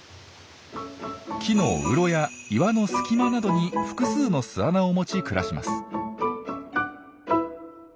木のうろや岩の隙間などに複数の巣穴を持ち暮らします。